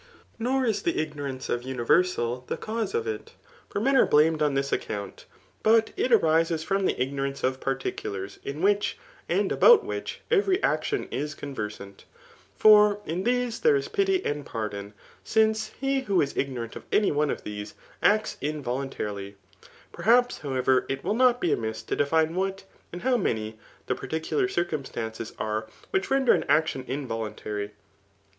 Nor is the ignorance of .universal, the cause of it ; for men are blamed on diis account ; but it arises from the ignorance of particulars, in which, and about which, every action is conversant. For in these there is pity and pardon ; since he who is ^^rant of any one of these, acts involuntarily. Perhaps, however, it will not be amiss, to define what, and Iu>w many [the particular circumstances are which render an action involuntary.